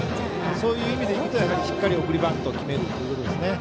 そういう意味でいくとしっかり送りバントを決めるということですね。